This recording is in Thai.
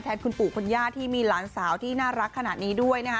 คุณปู่คุณย่าที่มีหลานสาวที่น่ารักขนาดนี้ด้วยนะคะ